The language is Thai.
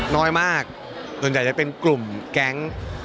น้อยมากส่วนใหญ่จะเป็นกลุ่มแก๊ง